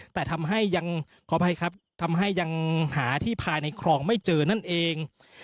แต่ทำให้ยังหาที่ภายในคลองไม่เจอนั่นเอง